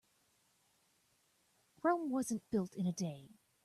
Rome wasn't built in a day.